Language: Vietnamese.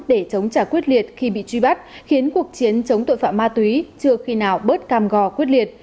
để chống trả quyết liệt khi bị truy bắt khiến cuộc chiến chống tội phạm ma túy chưa khi nào bớt cam gò quyết liệt